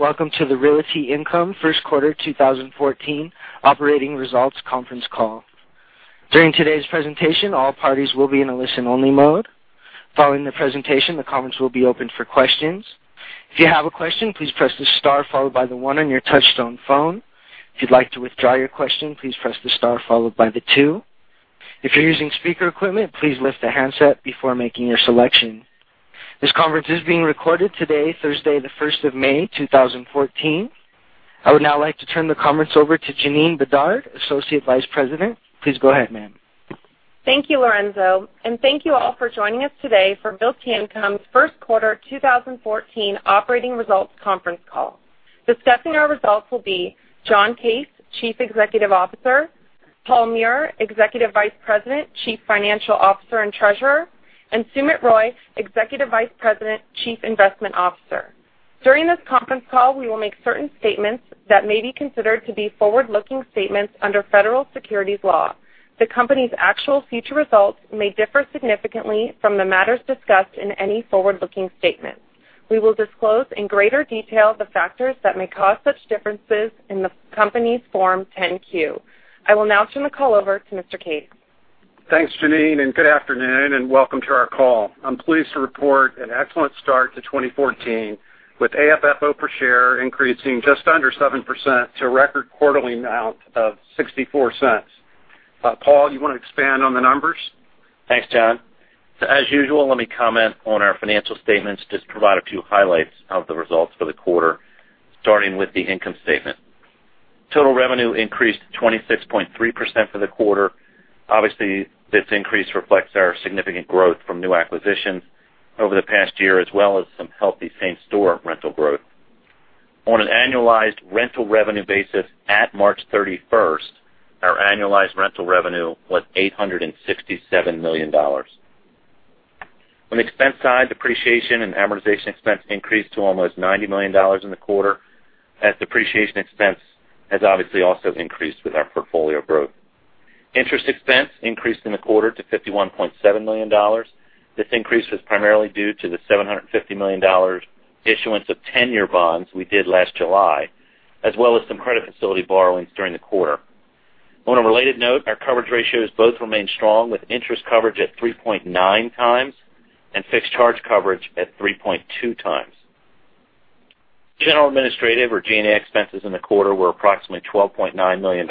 Welcome to the Realty Income First Quarter 2014 Operating Results Conference Call. During today's presentation, all parties will be in a listen-only mode. Following the presentation, the conference will be open for questions. If you have a question, please press the star followed by the one on your touchtone phone. If you'd like to withdraw your question, please press the star followed by the two. If you're using speaker equipment, please lift the handset before making your selection. This conference is being recorded today, Thursday, the 1st of May 2014. I would now like to turn the conference over to Janeen Bedard, Associate Vice President. Please go ahead, ma'am. Thank you, Lorenzo, and thank you all for joining us today for Realty Income's First Quarter 2014 Operating Results Conference Call. Discussing our results will be John Case, Chief Executive Officer, Paul Meurer, Executive Vice President, Chief Financial Officer, and Treasurer, and Sumit Roy, Executive Vice President, Chief Investment Officer. During this conference call, we will make certain statements that may be considered to be forward-looking statements under federal securities law. The company's actual future results may differ significantly from the matters discussed in any forward-looking statement. We will disclose in greater detail the factors that may cause such differences in the company's Form 10-Q. I will now turn the call over to Mr. Case. Thanks, Jana, and good afternoon, and welcome to our call. I'm pleased to report an excellent start to 2014, with AFFO per share increasing just under 7% to a record quarterly amount of $0.64. Paul, you want to expand on the numbers? Thanks, John. As usual, let me comment on our financial statements, just provide a few highlights of the results for the quarter, starting with the income statement. Total revenue increased 26.3% for the quarter. Obviously, this increase reflects our significant growth from new acquisitions over the past year, as well as some healthy same-store rental growth. On an annualized rental revenue basis at March 31st, our annualized rental revenue was $867 million. On the expense side, depreciation and amortization expense increased to almost $90 million in the quarter as depreciation expense has obviously also increased with our portfolio growth. Interest expense increased in the quarter to $51.7 million. This increase was primarily due to the $750 million issuance of tenor bonds we did last July, as well as some credit facility borrowings during the quarter. On a related note, our coverage ratios both remain strong, with interest coverage at 3.9 times and fixed charge coverage at 3.2 times. General and Administrative, or G&A, expenses in the quarter were approximately $12.9 million.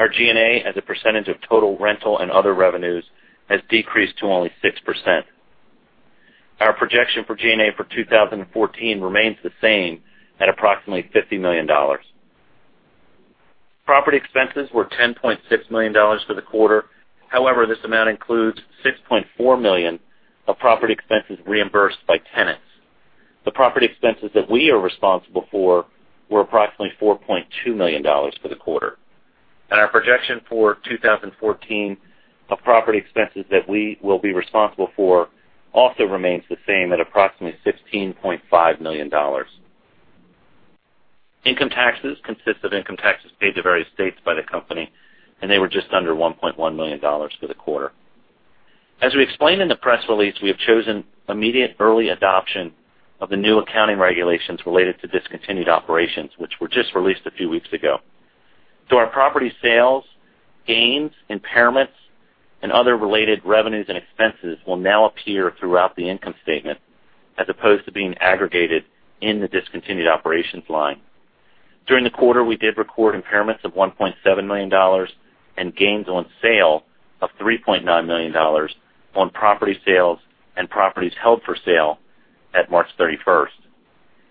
Our G&A as a percentage of total rental and other revenues has decreased to only 6%. Our projection for G&A for 2014 remains the same at approximately $50 million. Property expenses were $10.6 million for the quarter. However, this amount includes $6.4 million of property expenses reimbursed by tenants. The property expenses that we are responsible for were approximately $4.2 million for the quarter. Our projection for 2014 of property expenses that we will be responsible for also remains the same at approximately $16.5 million. Income taxes consist of income taxes paid to various states by the company. They were just under $1.1 million for the quarter. As we explained in the press release, we have chosen immediate early adoption of the new accounting regulations related to discontinued operations, which were just released a few weeks ago. Our property sales, gains, impairments, and other related revenues and expenses will now appear throughout the income statement as opposed to being aggregated in the discontinued operations line. During the quarter, we did record impairments of $1.7 million and gains on sale of $3.9 million on property sales and properties held for sale at March 31st.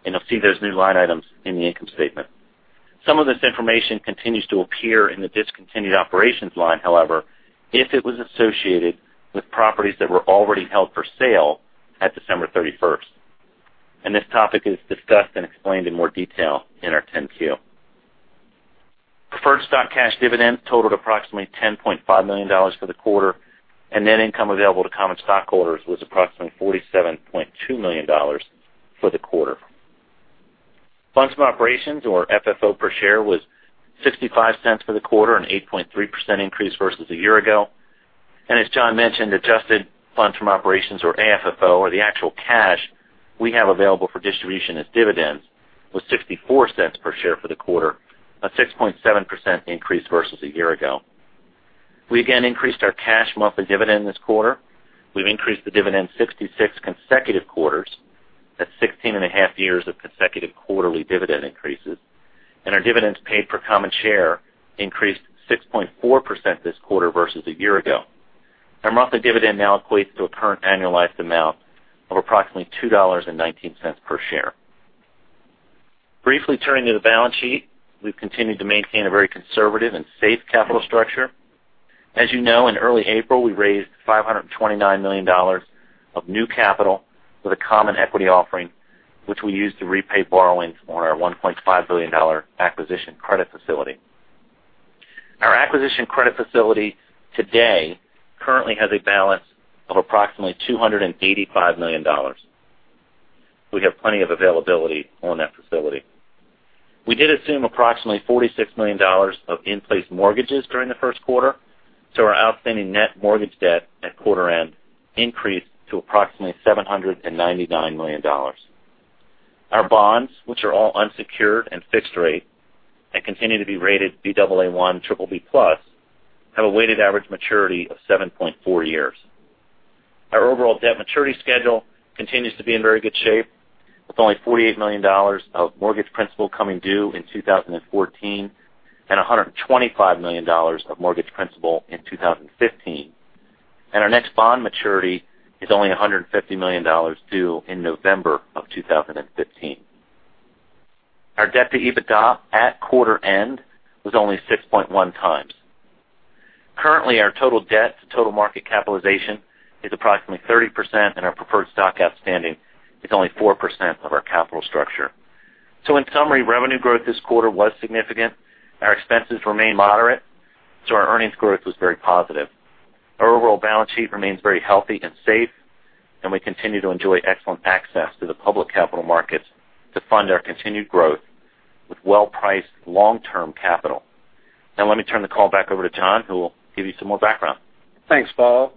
You'll see those new line items in the income statement. Some of this information continues to appear in the discontinued operations line, however, if it was associated with properties that were already held for sale at December 31st. This topic is discussed and explained in more detail in our 10-Q. Preferred stock cash dividends totaled approximately $10.5 million for the quarter. Net income available to common stockholders was approximately $47.2 million for the quarter. Funds from operations, or FFO, per share, was $0.65 for the quarter, an 8.3% increase versus a year ago. As John mentioned, adjusted funds from operations, or AFFO, or the actual cash we have available for distribution as dividends, was $0.64 per share for the quarter, a 6.7% increase versus a year ago. We again increased our cash monthly dividend this quarter. We've increased the dividend 66 consecutive quarters. That's 16 and a half years of consecutive quarterly dividend increases. Our dividends paid per common share increased 6.4% this quarter versus a year ago. Our monthly dividend now equates to a current annualized amount of approximately $2.19 per share. Briefly turning to the balance sheet, we've continued to maintain a very conservative and safe capital structure. As you know, in early April, we raised $529 million of new capital with a common equity offering, which we used to repay borrowings on our $1.5 billion acquisition credit facility. Our acquisition credit facility today currently has a balance of approximately $285 million. We have plenty of availability on that facility. We did assume approximately $46 million of in-place mortgages during the first quarter, so our outstanding net mortgage debt at quarter end increased to approximately $799 million. Our bonds, which are all unsecured and fixed rate, and continue to be rated Baa1 BBB+, have a weighted average maturity of 7.4 years. Our overall debt maturity schedule continues to be in very good shape, with only $48 million of mortgage principal coming due in 2014 and $125 million of mortgage principal in 2015. Our next bond maturity is only $150 million due in November of 2015. Our debt to EBITDA at quarter end was only 6.1 times. Currently, our total debt to total market capitalization is approximately 30%, and our preferred stock outstanding is only 4% of our capital structure. In summary, revenue growth this quarter was significant. Our expenses remain moderate, so our earnings growth was very positive. Our overall balance sheet remains very healthy and safe, and we continue to enjoy excellent access to the public capital markets to fund our continued growth with well-priced long-term capital. Let me turn the call back over to John, who will give you some more background. Thanks, Paul.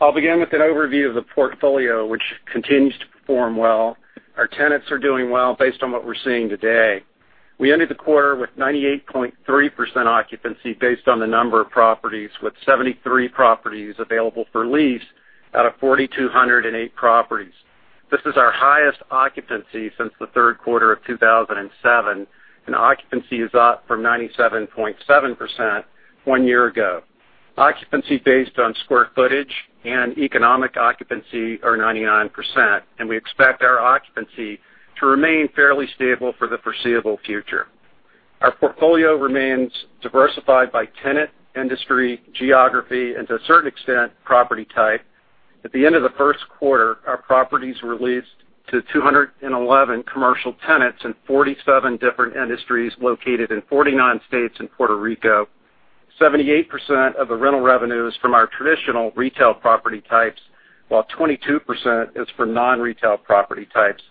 I'll begin with an overview of the portfolio, which continues to perform well. Our tenants are doing well based on what we're seeing today. We ended the quarter with 98.3% occupancy based on the number of properties, with 73 properties available for lease out of 4,208 properties. This is our highest occupancy since the third quarter of 2007, and occupancy is up from 97.7% one year ago. Occupancy based on square footage and economic occupancy are 99%, and we expect our occupancy to remain fairly stable for the foreseeable future. Our portfolio remains diversified by tenant, industry, geography, and to a certain extent, property type. At the end of the first quarter, our properties were leased to 211 commercial tenants in 47 different industries located in 49 states and Puerto Rico. 78% of the rental revenue is from our traditional retail property types, while 22% is for non-retail property types,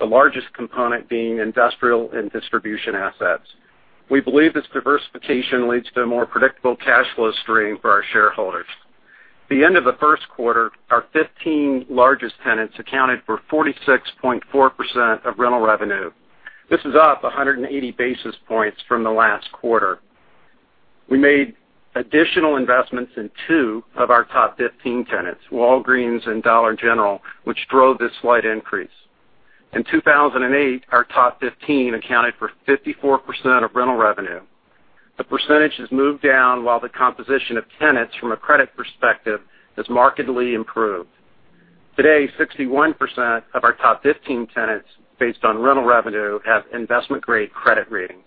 the largest component being industrial and distribution assets. We believe this diversification leads to a more predictable cash flow stream for our shareholders. At the end of the first quarter, our 15 largest tenants accounted for 46.4% of rental revenue. This is up 180 basis points from the last quarter. We made additional investments in two of our top 15 tenants, Walgreens and Dollar General, which drove this slight increase. In 2008, our top 15 accounted for 54% of rental revenue. The percentage has moved down while the composition of tenants from a credit perspective has markedly improved. Today, 61% of our top 15 tenants, based on rental revenue, have investment-grade credit ratings.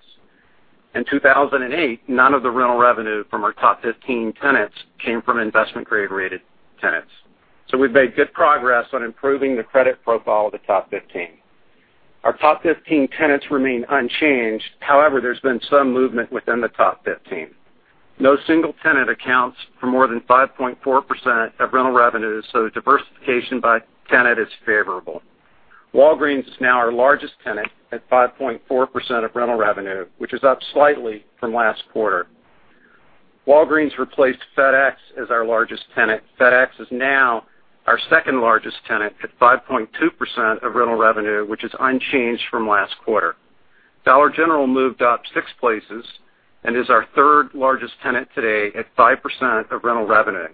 In 2008, none of the rental revenue from our top 15 tenants came from investment-grade rated tenants. We've made good progress on improving the credit profile of the top 15. Our top 15 tenants remain unchanged. However, there's been some movement within the top 15. No single tenant accounts for more than 5.4% of rental revenue, so diversification by tenant is favorable. Walgreens is now our largest tenant at 5.4% of rental revenue, which is up slightly from last quarter. Walgreens replaced FedEx as our largest tenant. FedEx is now our second-largest tenant at 5.2% of rental revenue, which is unchanged from last quarter. Dollar General moved up six places and is our third-largest tenant today at 5% of rental revenue.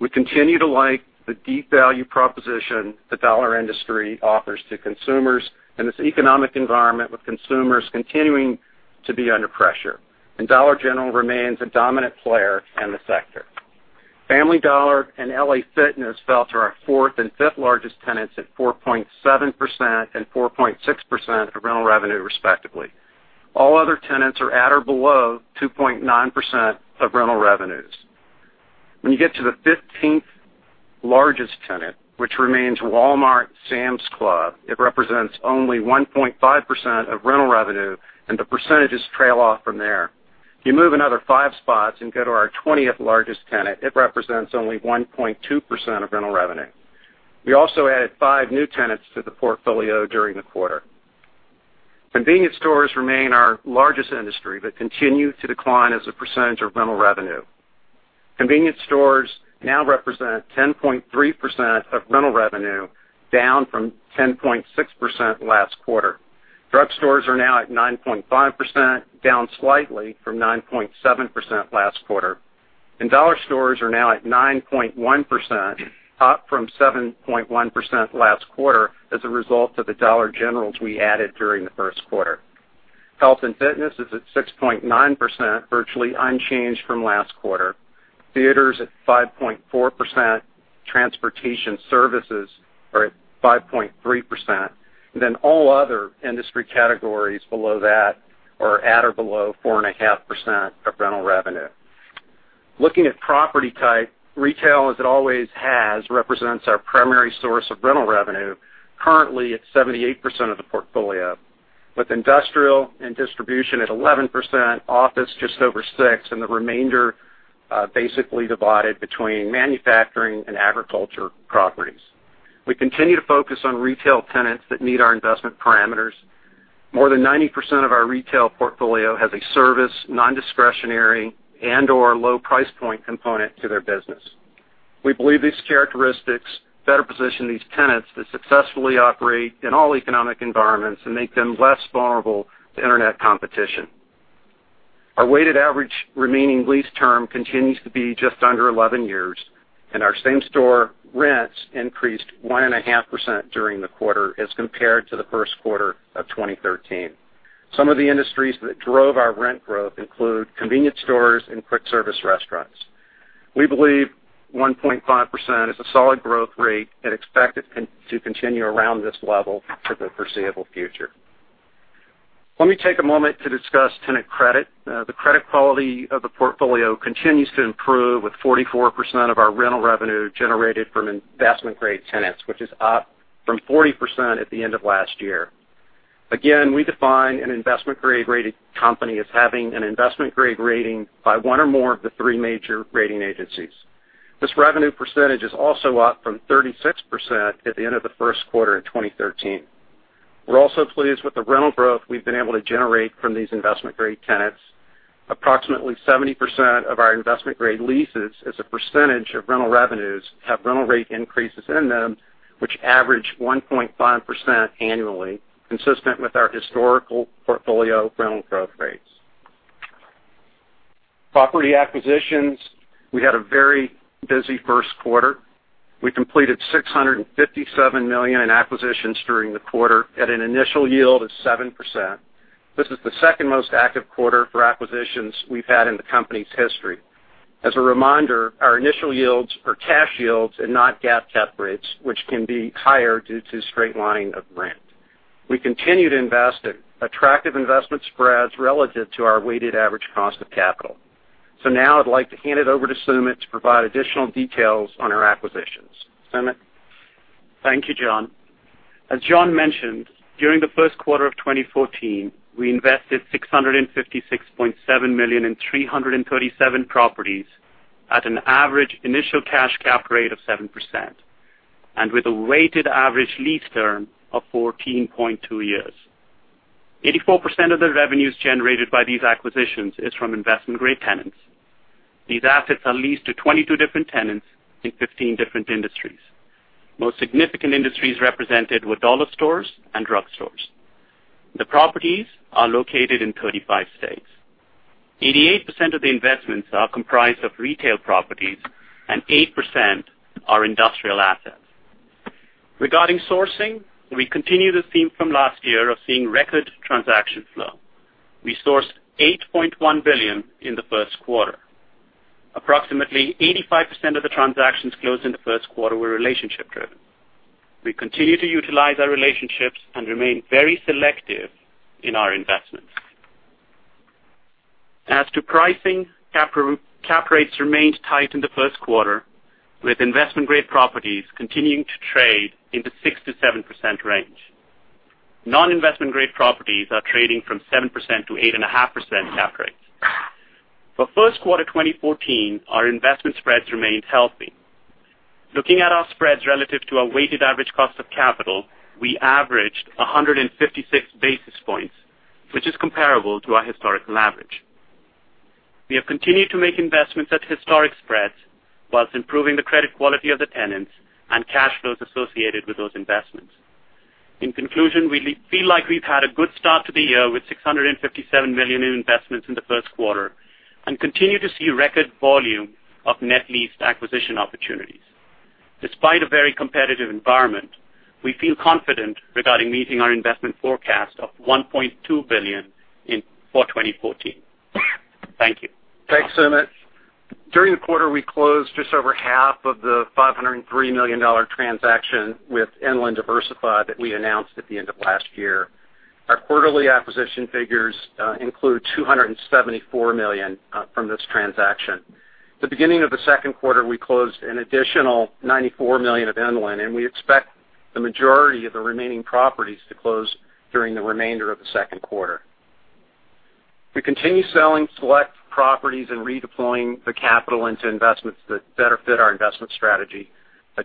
We continue to like the deep value proposition the dollar industry offers to consumers in this economic environment, with consumers continuing to be under pressure, and Dollar General remains a dominant player in the sector. Family Dollar and LA Fitness fell to our fourth and fifth largest tenants at 4.7% and 4.6% of rental revenue, respectively. All other tenants are at or below 2.9% of rental revenues. When you get to the 15th largest tenant, which remains Walmart and Sam's Club, it represents only 1.5% of rental revenue, and the percentages trail off from there. If you move another five spots and go to our 20th largest tenant, it represents only 1.2% of rental revenue. We also added five new tenants to the portfolio during the quarter. Convenience stores remain our largest industry but continue to decline as a percentage of rental revenue. Convenience stores now represent 10.3% of rental revenue, down from 10.6% last quarter. Drug stores are now at 9.5%, down slightly from 9.7% last quarter. Dollar stores are now at 9.1%, up from 7.1% last quarter as a result of the Dollar Generals we added during the first quarter. Health and fitness is at 6.9%, virtually unchanged from last quarter. Theaters at 5.4%. Transportation services are at 5.3%. All other industry categories below that are at or below 4.5% of rental revenue. Looking at property type, retail, as it always has, represents our primary source of rental revenue, currently at 78% of the portfolio, with industrial and distribution at 11%, office just over 6%, and the remainder basically divided between manufacturing and agriculture properties. We continue to focus on retail tenants that meet our investment parameters. More than 90% of our retail portfolio has a service, non-discretionary, and/or low price point component to their business. We believe these characteristics better position these tenants to successfully operate in all economic environments and make them less vulnerable to internet competition. Our weighted average remaining lease term continues to be just under 11 years. Our same-store rents increased 1.5% during the quarter as compared to the first quarter of 2013. Some of the industries that drove our rent growth include convenience stores and quick service restaurants. We believe 1.5% is a solid growth rate and expect it to continue around this level for the foreseeable future. Let me take a moment to discuss tenant credit. The credit quality of the portfolio continues to improve, with 44% of our rental revenue generated from investment-grade tenants, which is up from 40% at the end of last year. Again, we define an investment-grade rated company as having an investment-grade rating by one or more of the three major rating agencies. This revenue percentage is also up from 36% at the end of the first quarter in 2013. We're also pleased with the rental growth we've been able to generate from these investment-grade tenants. Approximately 70% of our investment-grade leases as a percentage of rental revenues have rental rate increases in them, which average 1.5% annually, consistent with our historical portfolio rental growth rates. Property acquisitions, we had a very busy first quarter. We completed $657 million in acquisitions during the quarter at an initial yield of 7%. This is the second most active quarter for acquisitions we've had in the company's history. As a reminder, our initial yields are cash yields and not GAAP cap rates, which can be higher due to straight-lining of rent. We continue to invest at attractive investment spreads relative to our weighted average cost of capital. Now I'd like to hand it over to Sumit to provide additional details on our acquisitions. Sumit? Thank you, John. As John mentioned, during the first quarter of 2014, we invested $656.7 million in 337 properties at an average initial cash cap rate of 7%, and with a weighted average lease term of 14.2 years. 84% of the revenues generated by these acquisitions is from investment-grade tenants. These assets are leased to 22 different tenants in 15 different industries. Most significant industries represented were dollar stores and drugstores. The properties are located in 35 states. 88% of the investments are comprised of retail properties and 8% are industrial assets. Regarding sourcing, we continue the theme from last year of seeing record transaction flow. We sourced $8.1 billion in the first quarter. Approximately 85% of the transactions closed in the first quarter were relationship-driven. We continue to utilize our relationships and remain very selective in our investments. As to pricing, cap rates remained tight in the first quarter, with investment-grade properties continuing to trade in the 6%-7% range. Non-investment-grade properties are trading from 7%-8.5% cap rates. For first quarter 2014, our investment spreads remained healthy. Looking at our spreads relative to our weighted average cost of capital, we averaged 156 basis points, which is comparable to our historical average. We have continued to make investments at historic spreads whilst improving the credit quality of the tenants and cash flows associated with those investments. In conclusion, we feel like we've had a good start to the year with $657 million in investments in the first quarter and continue to see record volume of net leased acquisition opportunities. Despite a very competitive environment, we feel confident regarding meeting our investment forecast of $1.2 billion for 2014. Thank you. Thanks, Sumit. During the quarter, we closed just over half of the $503 million transaction with Inland Diversified that we announced at the end of last year. Our quarterly acquisition figures include $274 million from this transaction. At the beginning of the second quarter, we closed an additional $94 million of Inland, and we expect the majority of the remaining properties to close during the remainder of the second quarter. We continue selling select properties and redeploying the capital into investments that better fit our investment strategy.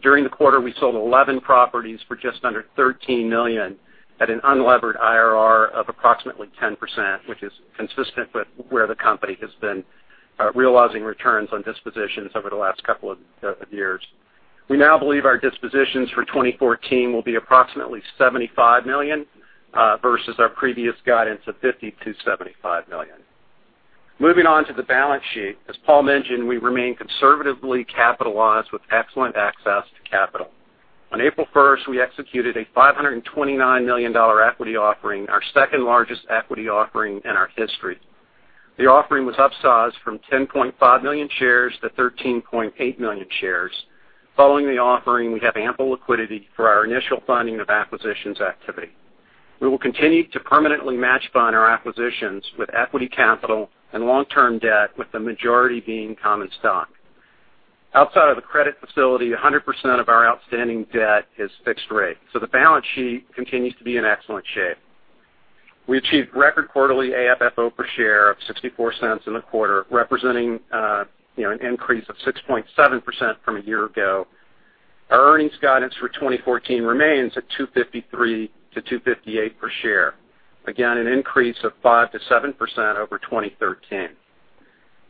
During the quarter, we sold 11 properties for just under $13 million at an unlevered IRR of approximately 10%, which is consistent with where the company has been realizing returns on dispositions over the last couple of years. We now believe our dispositions for 2014 will be approximately $75 million versus our previous guidance of $50 million-$75 million. Moving on to the balance sheet. As Paul mentioned, we remain conservatively capitalized with excellent access to capital. On April 1st, we executed a $529 million equity offering, our second-largest equity offering in our history. The offering was upsized from 10.5 million shares to 13.8 million shares. Following the offering, we have ample liquidity for our initial funding of acquisitions activity. We will continue to permanently match-fund our acquisitions with equity capital and long-term debt, with the majority being common stock. Outside of the credit facility, 100% of our outstanding debt is fixed rate, the balance sheet continues to be in excellent shape. We achieved record quarterly AFFO per share of $0.64 in the quarter, representing an increase of 6.7% from a year ago. Our earnings guidance for 2014 remains at $2.53 to $2.58 per share. Again, an increase of 5%-7% over 2013.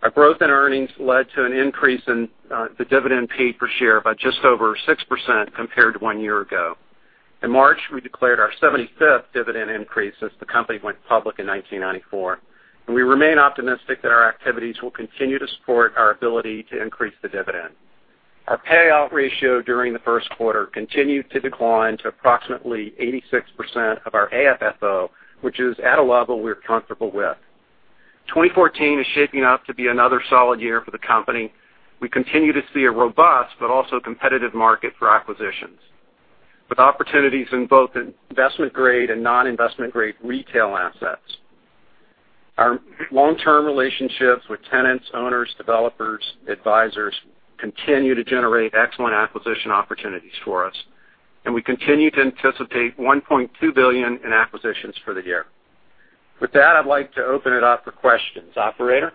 Our growth in earnings led to an increase in the dividend paid per share by just over 6% compared to one year ago. In March, we declared our 75th dividend increase since the company went public in 1994, we remain optimistic that our activities will continue to support our ability to increase the dividend. Our payout ratio during the first quarter continued to decline to approximately 86% of our AFFO, which is at a level we're comfortable with. 2014 is shaping up to be another solid year for the company. We continue to see a robust, also competitive market for acquisitions, with opportunities in both investment-grade and non-investment grade retail assets. Our long-term relationships with tenants, owners, developers, advisors, continue to generate excellent acquisition opportunities for us, we continue to anticipate $1.2 billion in acquisitions for the year. With that, I'd like to open it up for questions. Operator?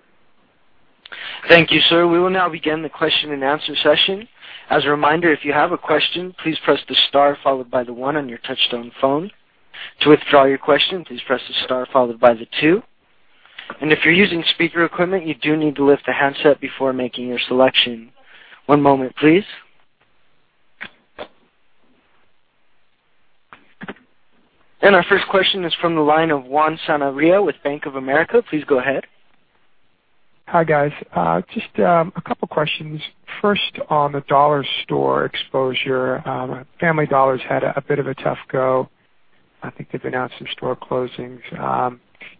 Thank you, sir. We will now begin the question-and-answer session. As a reminder, if you have a question, please press the star followed by the one on your touchtone phone. To withdraw your question, please press the star followed by the two. If you're using speaker equipment, you do need to lift the handset before making your selection. One moment, please. Our first question is from the line of Juan Sanabria with Bank of America. Please go ahead. Hi, guys. Just a couple questions. First, on the dollar store exposure. Family Dollar's had a bit of a tough go. I think they've announced some store closings.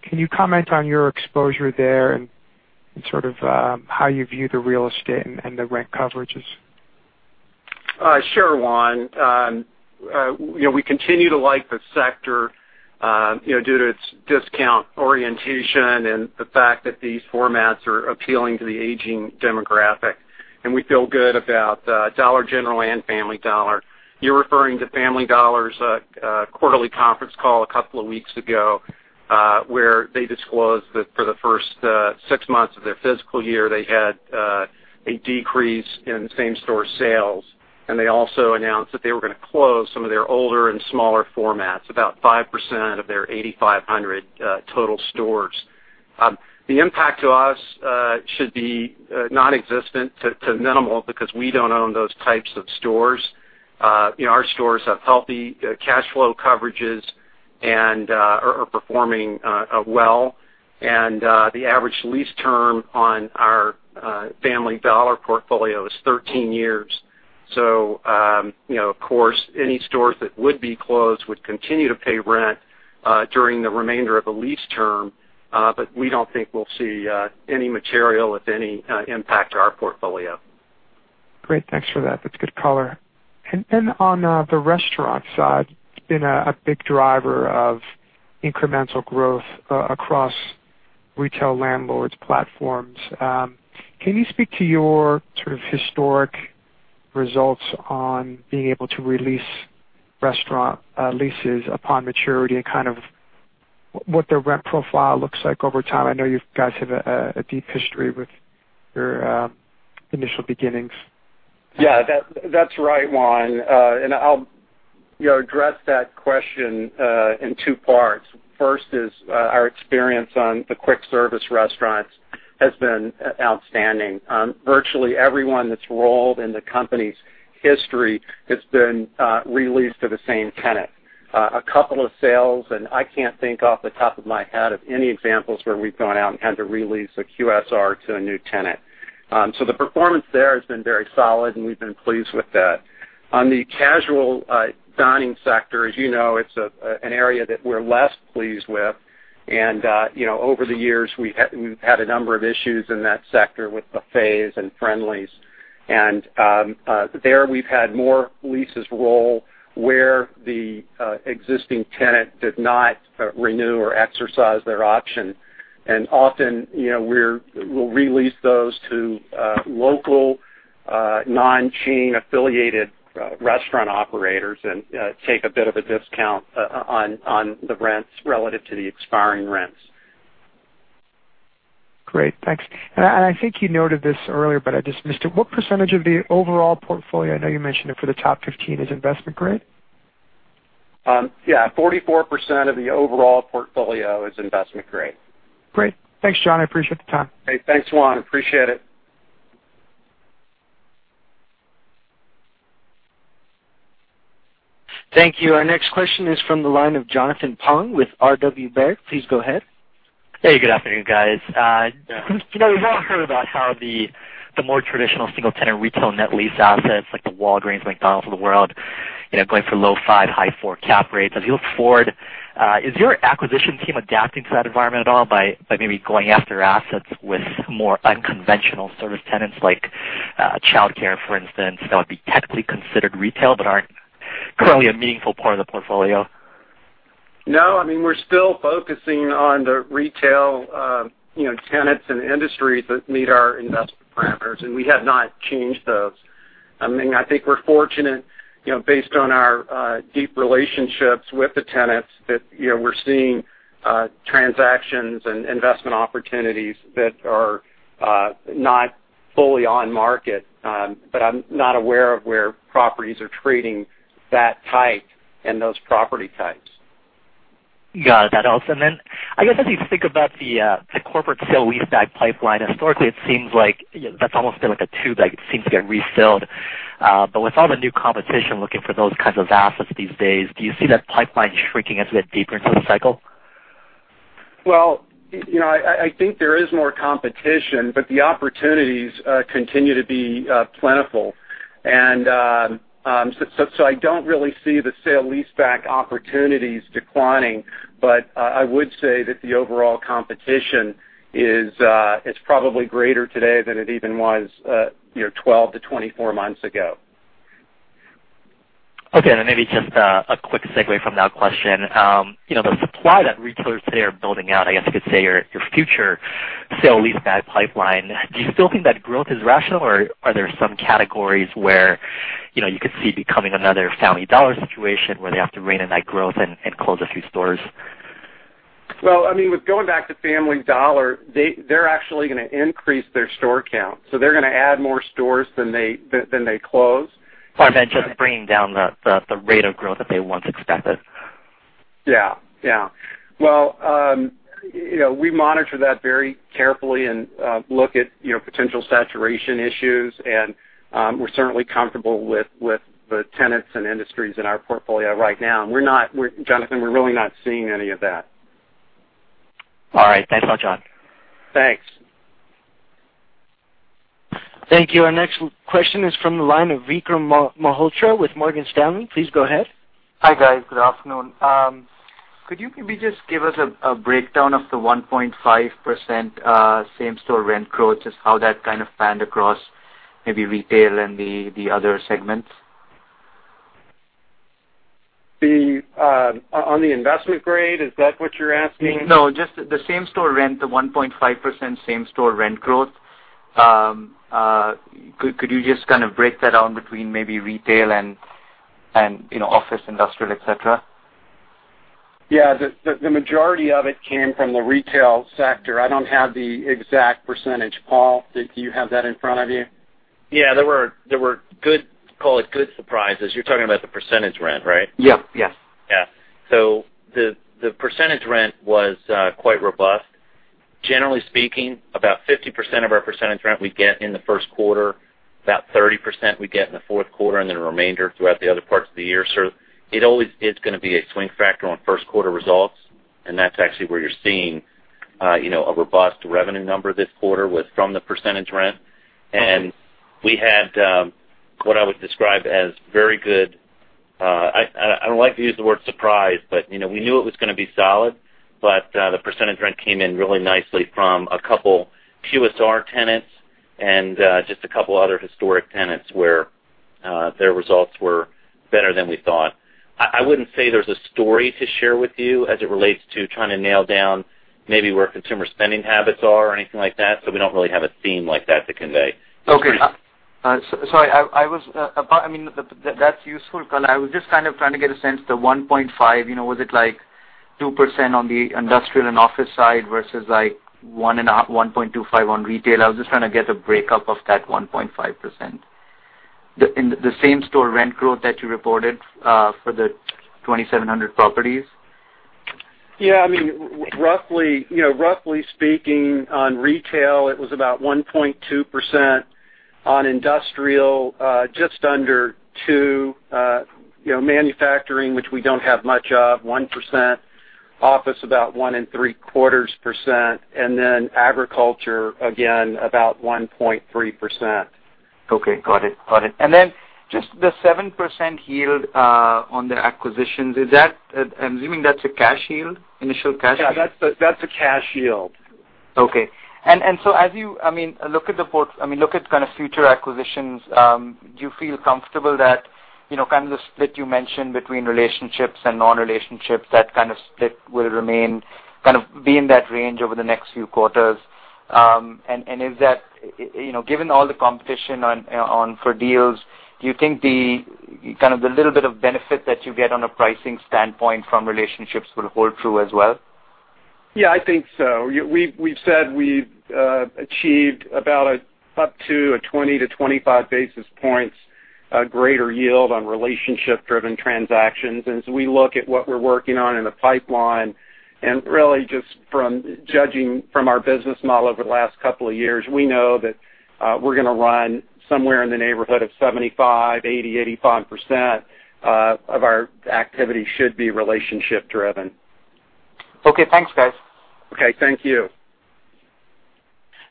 Can you comment on your exposure there and how you view the real estate and the rent coverages? Sure, Juan. We continue to like the sector due to its discount orientation and the fact that these formats are appealing to the aging demographic, and we feel good about Dollar General and Family Dollar. You're referring to Family Dollar's quarterly conference call a couple of weeks ago, where they disclosed that for the first six months of their fiscal year, they had a decrease in same-store sales. They also announced that they were going to close some of their older and smaller formats, about 5% of their 8,500 total stores. The impact to us should be non-existent to minimal because we don't own those types of stores. Our stores have healthy cash flow coverages and are performing well. The average lease term on our Family Dollar portfolio is 13 years. Of course, any stores that would be closed would continue to pay rent during the remainder of the lease term. We don't think we'll see any material, if any, impact to our portfolio. Great. Thanks for that. That's a good color. On the restaurant side, it's been a big driver of incremental growth across retail landlords' platforms. Can you speak to your historic results on being able to re-lease restaurant leases upon maturity and what their rent profile looks like over time? I know you guys have a deep history with your initial beginnings. Yeah. That's right, Juan. I'll address that question in two parts. First is our experience on the quick service restaurants has been outstanding. Virtually everyone that's rolled in the company's history has been re-leased to the same tenant. A couple of sales, and I can't think off the top of my head of any examples where we've gone out and had to re-lease a QSR to a new tenant. The performance there has been very solid, and we've been pleased with that. On the casual dining sector, as you know, it's an area that we're less pleased with. Over the years, we've had a number of issues in that sector with Buffets and Friendly's. There, we've had more leases roll where the existing tenant did not renew or exercise their option. Often, we'll re-lease those to local, non-chain-affiliated restaurant operators and take a bit of a discount on the rents relative to the expiring rents. Great. Thanks. I think you noted this earlier, but I just missed it. What percentage of the overall portfolio, I know you mentioned it for the top 15, is investment-grade? Yeah. 44% of the overall portfolio is investment-grade. Great. Thanks, John. I appreciate the time. Hey, thanks, Juan. I appreciate it. Thank you. Our next question is from the line of Jonathan Pong with RW Baird. Please go ahead. Hey, good afternoon, guys. We've all heard about how the more traditional single-tenant retail net lease assets like the Walgreens, McDonald's of the world, going for low five, high four cap rates. As you look forward, is your acquisition team adapting to that environment at all by maybe going after assets with more unconventional sort of tenants like childcare, for instance, that would be technically considered retail but aren't currently a meaningful part of the portfolio? No, we're still focusing on the retail tenants and industries that meet our investment parameters, and we have not changed those. I think we're fortunate, based on our deep relationships with the tenants, that we're seeing transactions and investment opportunities that are not fully on market. I'm not aware of where properties are trading that tight in those property types. Got that. I guess, as you think about the corporate sale-leaseback pipeline, historically, it seems like that's almost been like a tube that seems to get refilled. With all the new competition looking for those kinds of assets these days, do you see that pipeline shrinking as we get deeper into the cycle? Well, I think there is more competition, but the opportunities continue to be plentiful. I don't really see the sale-leaseback opportunities declining, but I would say that the overall competition is probably greater today than it even was 12-24 months ago. Okay, maybe just a quick segue from that question. The supply that retailers today are building out, I guess you could say, your future sale-leaseback pipeline, do you still think that growth is rational, or are there some categories where you could see it becoming another Family Dollar situation where they have to rein in that growth and close a few stores? Well, with going back to Family Dollar, they're actually going to increase their store count. They're going to add more stores than they close. I meant just bringing down the rate of growth that they once expected. Yeah. Well, we monitor that very carefully and look at potential saturation issues, we're certainly comfortable with the tenants and industries in our portfolio right now. Jonathan, we're really not seeing any of that. All right. Thanks a lot, John. Thanks. Thank you. Our next question is from the line of Vikram Malhotra with Morgan Stanley. Please go ahead. Hi, guys. Good afternoon. Could you maybe just give us a breakdown of the 1.5% same-store rent growth? Just how that kind of panned across maybe retail and the other segments? On the investment grade? Is that what you're asking? No, just the same-store rent, the 1.5% same-store rent growth. Could you just kind of break that down between maybe retail and office, industrial, et cetera? Yeah. The majority of it came from the retail sector. I don't have the exact percentage. Paul, do you have that in front of you? Yeah, there were, call it, good surprises. You're talking about the percentage rent, right? Yeah. Yeah. The percentage rent was quite robust. Generally speaking, about 50% of our percentage rent we get in the first quarter, about 30% we get in the fourth quarter, and then the remainder throughout the other parts of the year. It always is going to be a swing factor on first-quarter results, and that's actually where you're seeing a robust revenue number this quarter with from the percentage rent. Okay. We had what I would describe as very good I don't like to use the word surprise, but we knew it was going to be solid, but the percentage rent came in really nicely from a couple QSR tenants and just a couple other historic tenants where their results were better than we thought. I wouldn't say there's a story to share with you as it relates to trying to nail down maybe where consumer spending habits are or anything like that. We don't really have a theme like that to convey. Okay. Sorry. That's useful color. I was just kind of trying to get a sense, the 1.5%, was it like 2% on the industrial and office side versus 1.25% on retail? I was just trying to get a breakup of that 1.5%. The same-store rent growth that you reported for the 2,700 properties. Yeah. Roughly speaking, on retail, it was about 1.2%, on industrial, just under 2%, manufacturing, which we don't have much of, 1%, office about 1.75%, and then agriculture, again, about 1.3%. Okay. Got it. Then just the 7% yield on the acquisitions, I'm assuming that's a cash yield, initial cash yield? Yeah, that's a cash yield. Okay. As you look at kind of future acquisitions, do you feel comfortable that kind of the split you mentioned between relationships and non-relationships, that kind of split will remain, kind of be in that range over the next few quarters? Given all the competition for deals, do you think the little bit of benefit that you get on a pricing standpoint from relationships will hold true as well? Yeah, I think so. We've said we've achieved about up to a 20-25 basis points greater yield on relationship-driven transactions. We look at what we're working on in the pipeline, and really just from judging from our business model over the last couple of years, we know that we're going to run somewhere in the neighborhood of 75%, 80%, 85% of our activity should be relationship-driven. Okay. Thanks, guys. Okay. Thank you.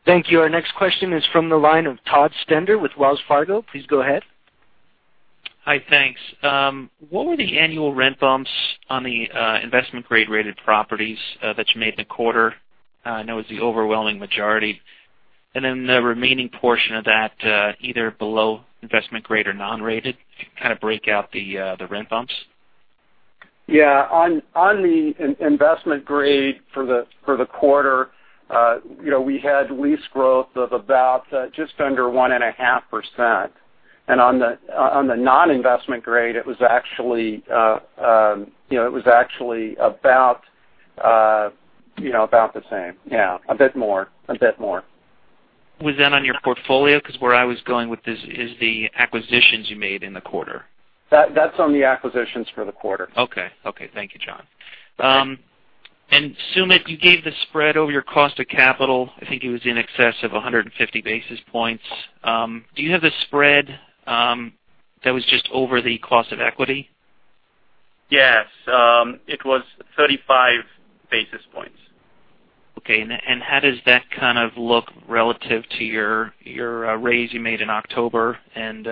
Thank you. Our next question is from the line of Todd Stender with Wells Fargo. Please go ahead. Hi. Thanks. What were the annual rent bumps on the investment-grade-rated properties that you made in the quarter? I know it was the overwhelming majority. Then the remaining portion of that, either below investment grade or non-rated, kind of break out the rent bumps. Yeah. On the investment grade for the quarter, we had lease growth of about just under 1.5%. On the non-investment grade, it was actually about the same. Yeah, a bit more. Was that on your portfolio? Because where I was going with this is the acquisitions you made in the quarter. That's on the acquisitions for the quarter. Okay. Thank you, John. You're welcome. Sumit, you gave the spread over your cost of capital. I think it was in excess of 150 basis points. Do you have the spread that was just over the cost of equity? Yes. It was 35 basis points. Okay. How does that kind of look relative to your raise you made in October and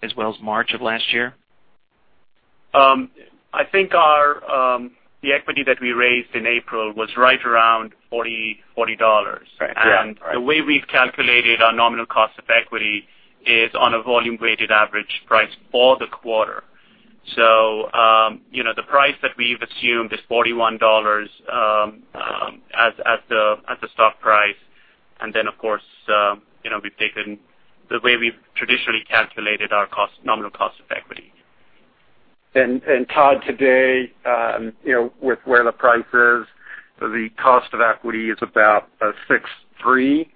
as well as March of last year? I think the equity that we raised in April was right around $40. Right. Yeah. The way we've calculated our nominal cost of equity is on a volume-weighted average price for the quarter. The price that we've assumed is $41 as the stock price, then, of course, the way we've traditionally calculated our nominal cost of equity. Todd, today, with where the price is, the cost of equity is about 63,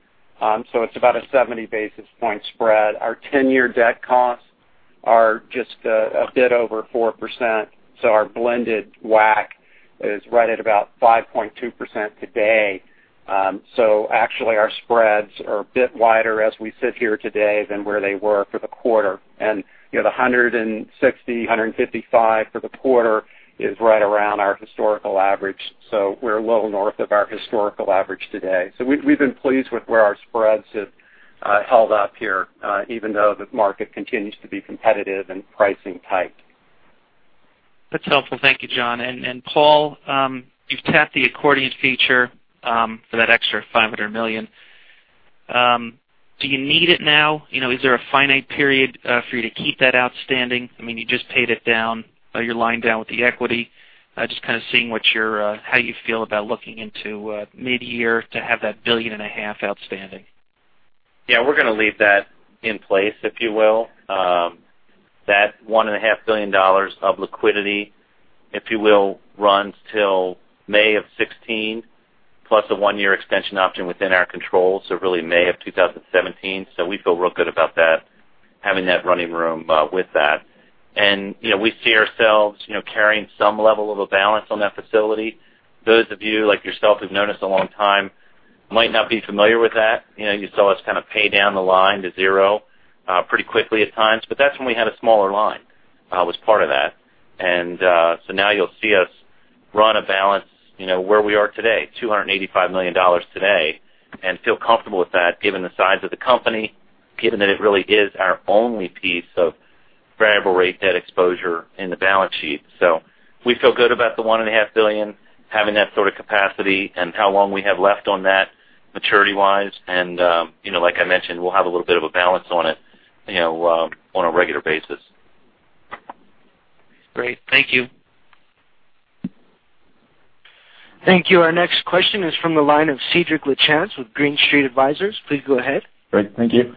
it's about a 70-basis-point spread. Our 10-year debt costs are just a bit over 4%, our blended WACC is right at about 5.2% today. Actually, our spreads are a bit wider as we sit here today than where they were for the quarter. The 160, 155 for the quarter is right around our historical average. We're a little north of our historical average today. We've been pleased with where our spreads have held up here, even though the market continues to be competitive and pricing tight. That's helpful. Thank you, John. Paul, you've tapped the accordion feature for that extra $500 million. Do you need it now? Is there a finite period for you to keep that outstanding? I mean, you just paid it down your line down with the equity. Just kind of seeing how you feel about looking into mid-year to have that billion and a half outstanding. We're going to leave that in place, if you will. That $1.5 billion of liquidity, if you will, runs till May of 2016, plus a one-year extension option within our control, so really May of 2017. We feel real good about that, having that running room with that. We see ourselves carrying some level of a balance on that credit facility. Those of you, like yourself, who've known us a long time, might not be familiar with that. You saw us kind of pay down the line to zero pretty quickly at times, but that's when we had a smaller line, was part of that. Now you'll see us run a balance where we are today, $285 million today, and feel comfortable with that given the size of the company, given that it really is our only piece of variable rate debt exposure in the balance sheet. We feel good about the $1.5 billion, having that sort of capacity, and how long we have left on that maturity-wise. Like I mentioned, we'll have a little bit of a balance on it on a regular basis. Great. Thank you. Thank you. Our next question is from the line of Cedrik Lachance with Green Street Advisors. Please go ahead. Great. Thank you.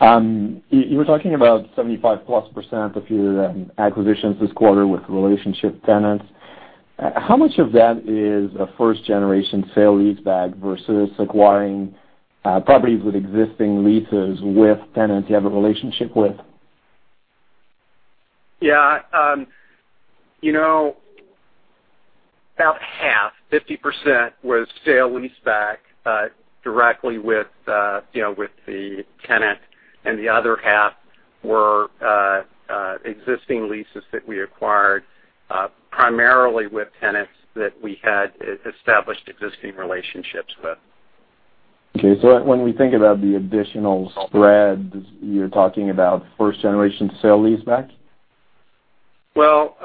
You were talking about 75%+ of your acquisitions this quarter with relationship tenants. How much of that is a first-generation sale-leaseback versus acquiring properties with existing leases with tenants you have a relationship with? Yeah. About half, 50%, was sale-leaseback directly with the tenant. The other half were existing leases that we acquired primarily with tenants that we had established existing relationships with. Okay. When we think about the additional spread, you're talking about first-generation sale-leaseback? Well,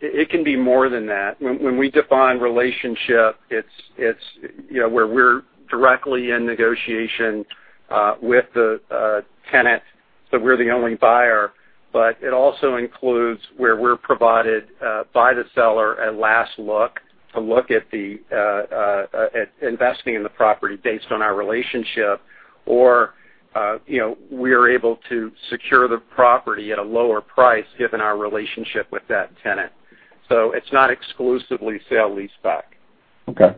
it can be more than that. When we define relationship, it's where we're directly in negotiation with the tenant. We're the only buyer. It also includes where we're provided by the seller a last look to look at investing in the property based on our relationship, or we are able to secure the property at a lower price given our relationship with that tenant. It's not exclusively sale-leaseback. Okay.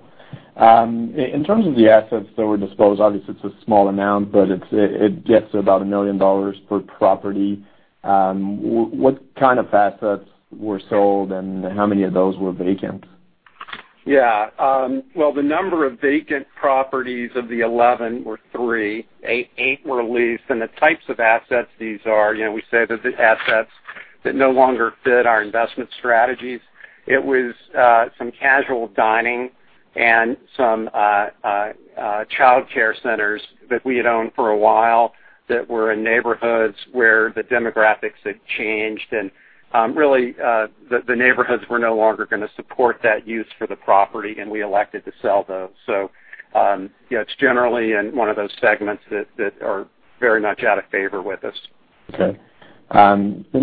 In terms of the assets that were disposed, obviously, it's a small amount, but it gets to about $1 million per property. What kind of assets were sold, and how many of those were vacant? Yeah. Well, the number of vacant properties of the 11 were three. Eight were leased. The types of assets these are, we say that the assets that no longer fit our investment strategies. It was some casual dining and some childcare centers that we had owned for a while that were in neighborhoods where the demographics had changed, and really, the neighborhoods were no longer going to support that use for the property, and we elected to sell those. It's generally in one of those segments that are very much out of favor with us. Okay.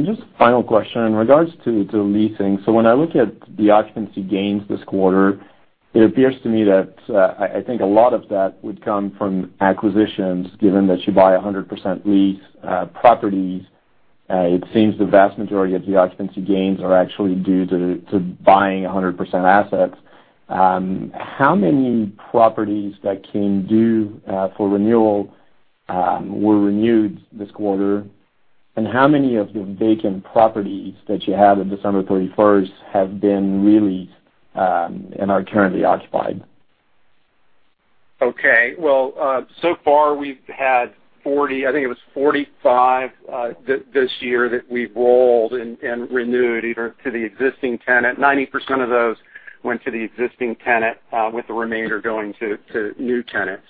Just final question in regards to leasing. When I look at the occupancy gains this quarter, it appears to me that, I think a lot of that would come from acquisitions, given that you buy 100% lease properties. It seems the vast majority of the occupancy gains are actually due to buying 100% assets. How many properties that came due for renewal were renewed this quarter, and how many of the vacant properties that you had at December 31st have been re-leased and are currently occupied? Okay. Well, so far we've had 40, I think it was 45, this year that we've rolled and renewed either to the existing tenant. 90% of those went to the existing tenant, with the remainder going to new tenants.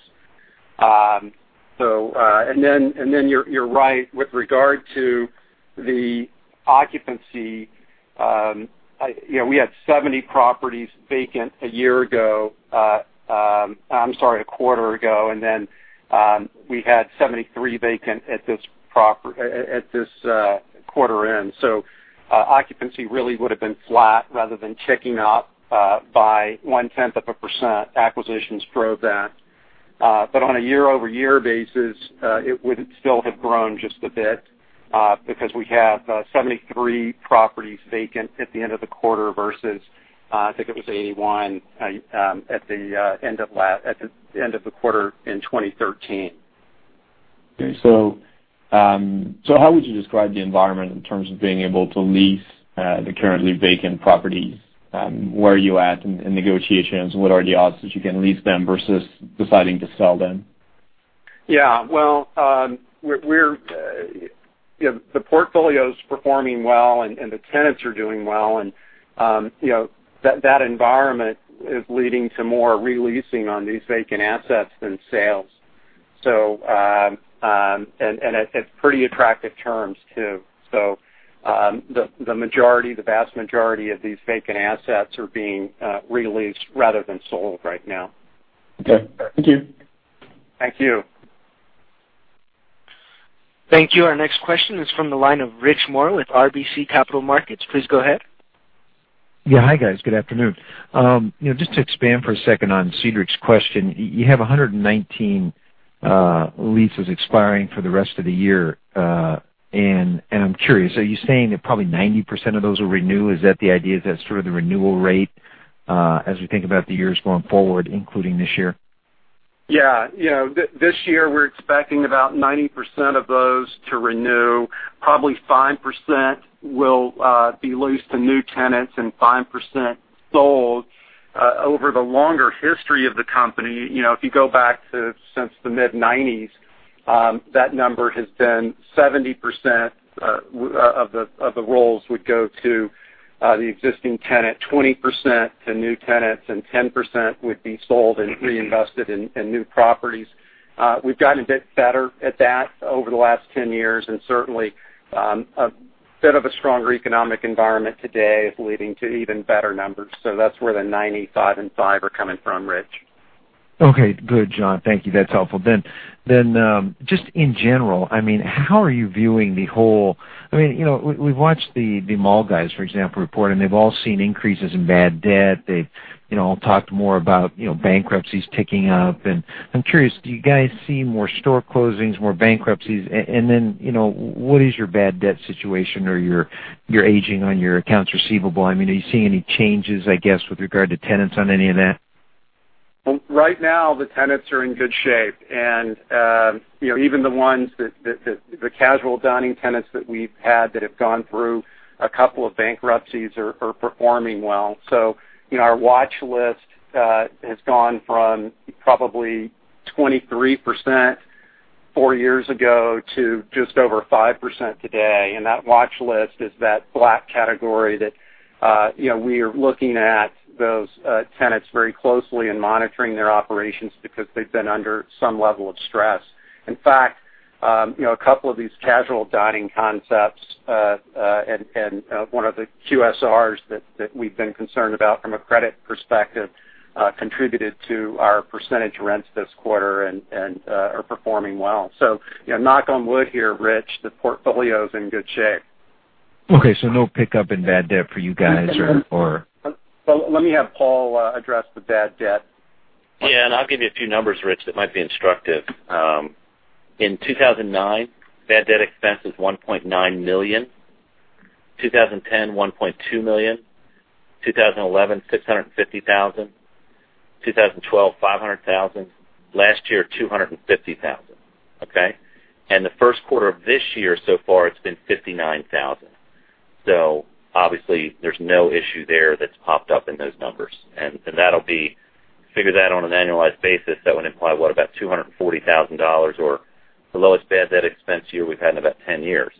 You're right with regard to the occupancy. We had 70 properties vacant a year ago. I'm sorry, a quarter ago. We had 73 vacant at this quarter end. Occupancy really would've been flat rather than ticking up by one-tenth of a %. Acquisitions drove that. On a year-over-year basis, it would still have grown just a bit, because we have 73 properties vacant at the end of the quarter versus, I think it was 81 at the end of the quarter in 2013. Okay. How would you describe the environment in terms of being able to lease the currently vacant properties? Where are you at in negotiations? What are the odds that you can lease them versus deciding to sell them? Yeah. Well, the portfolio's performing well, the tenants are doing well, that environment is leading to more re-leasing on these vacant assets than sales. At pretty attractive terms, too. The vast majority of these vacant assets are being re-leased rather than sold right now. Okay. Thank you. Thank you. Thank you. Our next question is from the line of Rich Moore with RBC Capital Markets. Please go ahead. Hi, guys. Good afternoon. Just to expand for a second on Cedrik's question, you have 119 leases expiring for the rest of the year. I'm curious, are you saying that probably 90% of those will renew? Is that the idea? Is that sort of the renewal rate, as we think about the years going forward, including this year? Yeah. This year, we're expecting about 90% of those to renew. Probably 5% will be leased to new tenants and 5% sold. Over the longer history of the company, if you go back to since the mid-'90s, that number has been 70% of the rolls would go to the existing tenant, 20% to new tenants, and 10% would be sold and reinvested in new properties. We've gotten a bit better at that over the last 10 years, and certainly, a bit of a stronger economic environment today is leading to even better numbers. That's where the 90, five, and five are coming from, Rich. Okay, good, John. Thank you. That's helpful. Just in general, how are you viewing the whole We've watched the mall guys, for example, report, and they've all seen increases in bad debt. They've all talked more about bankruptcies ticking up. I'm curious, do you guys see more store closings, more bankruptcies? What is your bad debt situation or your aging on your accounts receivable? Are you seeing any changes, I guess, with regard to tenants on any of that? Right now, the tenants are in good shape. Even the ones, the casual dining tenants that we've had that have gone through a couple of bankruptcies are performing well. Our watch list has gone from probably 23% 4 years ago to just over 5% today. That watch list is that black category that we are looking at those tenants very closely and monitoring their operations because they've been under some level of stress. In fact, a couple of these casual dining concepts, and one of the QSRs that we've been concerned about from a credit perspective, contributed to our percentage rents this quarter and are performing well. Knock on wood here, Rich, the portfolio's in good shape. No pickup in bad debt for you guys or- Let me have Paul address the bad debt. I'll give you a few numbers, Rich, that might be instructive. In 2009, bad debt expense was $1.9 million. 2010, $1.2 million. 2011, $650,000. 2012, $500,000. Last year, $250,000. The first quarter of this year, so far it's been $59,000. Obviously, there's no issue there that's popped up in those numbers. Figure that on an annualized basis, that would imply, what, about $240,000 or the lowest bad debt expense year we've had in about 10 years.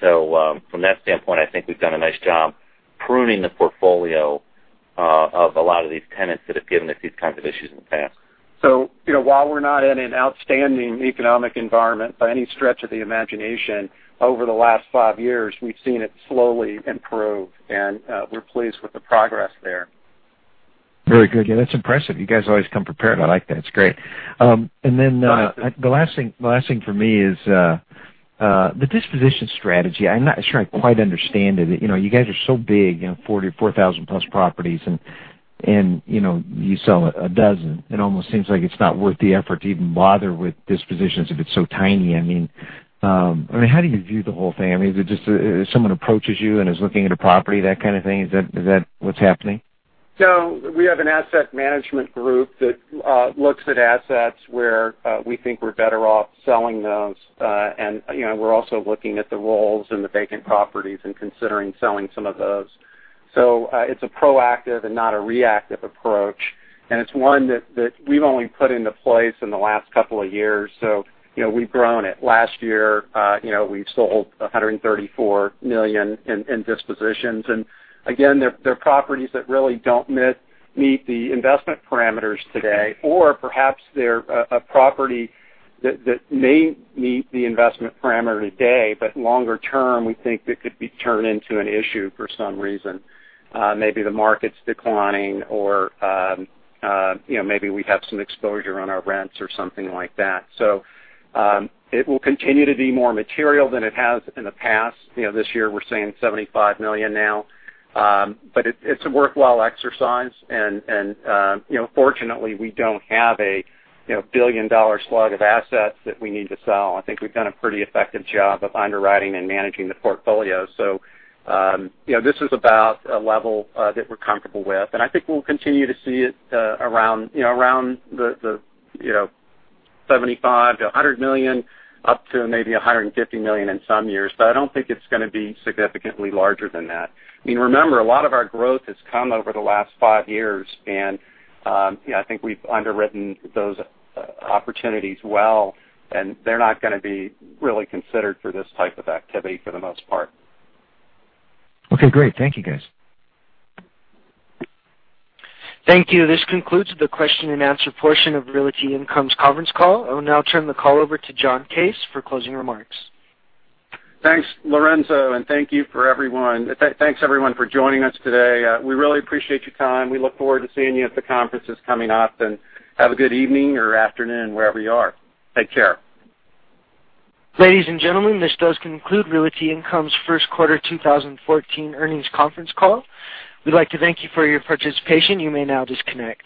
From that standpoint, I think we've done a nice job pruning the portfolio of a lot of these tenants that have given us these kinds of issues in the past. While we're not in an outstanding economic environment by any stretch of the imagination, over the last 5 years, we've seen it slowly improve, and we're pleased with the progress there. Very good. Yeah, that's impressive. You guys always come prepared. I like that. It's great. The last thing for me is the disposition strategy. I'm not sure I quite understand it. You guys are so big, 44,000-plus properties, and you sell 12. It almost seems like it's not worth the effort to even bother with dispositions if it's so tiny. How do you view the whole thing? Is it just if someone approaches you and is looking at a property, that kind of thing? Is that what's happening? We have an asset management group that looks at assets where we think we're better off selling those. We're also looking at the roles and the vacant properties and considering selling some of those. It's a proactive and not a reactive approach, and it's one that we've only put into place in the last couple of years. We've grown it. Last year, we've sold $134 million in dispositions. Again, they're properties that really don't meet the investment parameters today. Perhaps they're a property that may meet the investment parameter today, but longer term, we think that could be turned into an issue for some reason. Maybe the market's declining or maybe we have some exposure on our rents or something like that. It will continue to be more material than it has in the past. This year we're saying $75 million now. It's a worthwhile exercise, and fortunately, we don't have a billion-dollar slug of assets that we need to sell. I think we've done a pretty effective job of underwriting and managing the portfolio. This is about a level that we're comfortable with, and I think we'll continue to see it around the $75 million-$100 million, up to maybe $150 million in some years. I don't think it's going to be significantly larger than that. Remember, a lot of our growth has come over the last 5 years, and I think we've underwritten those opportunities well, and they're not going to be really considered for this type of activity for the most part. Okay, great. Thank you, guys. Thank you. This concludes the question-and-answer portion of Realty Income's conference call. I will now turn the call over to John Case for closing remarks. Thanks, Lorenzo, and thank you for everyone. Thanks, everyone, for joining us today. We really appreciate your time. We look forward to seeing you at the conferences coming up. Have a good evening or afternoon, wherever you are. Take care. Ladies and gentlemen, this does conclude Realty Income's first quarter 2014 earnings conference call. We'd like to thank you for your participation. You may now disconnect.